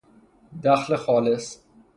دخل خالص